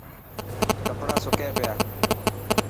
ڪپڙا سڪي پيا.